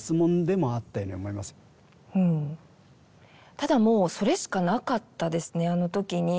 ただもうそれしかなかったですねあの時に。